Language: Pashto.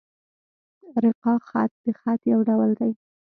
رِقاع خط؛ د خط یو ډول دﺉ.